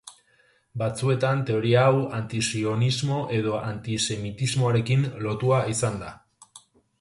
Batzuetan teoria hau anti-sionismo edo antisemitismoarekin lotua izan da.